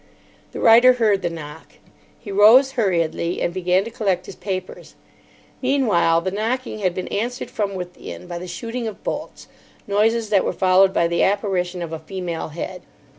The writer heard the knock. He rose hurriedly, and began to collect his papers. Meanwhile, the knocking had been answered from within by the shooting of bolts, noises that were followed by the apparition of a female head.